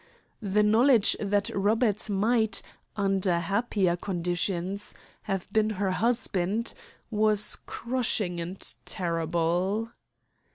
The knowledge that Robert might, under happier conditions, have been her husband was crushing and terrible.